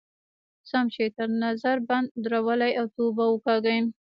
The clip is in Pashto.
سم شی تر نظر بد درولئ او توبې وکاږئ.